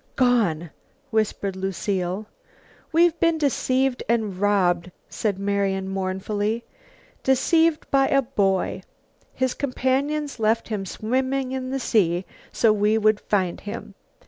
"Gone!" whispered Lucile. "We've been deceived and robbed," said Marian mournfully. "Deceived by a boy. His companions left him swimming in the sea so we would find him.